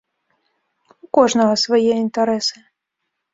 У кожнага свае інтарэсы.